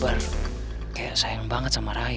selalu mau ngely ngely untuk kamu naik dari motor ini ya